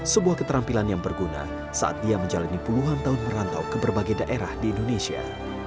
sebuah keterampilan yang berguna saat ia menjalani puluhan tahun merantau ke berbagai daerah di indonesia